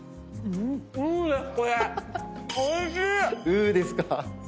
「う」ですか。